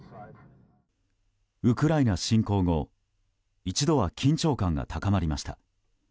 ウクライナ侵攻後、一度は緊張感が高まりました。